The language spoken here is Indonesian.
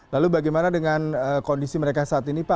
lalu bagaimana dengan kondisi mereka saat ini pak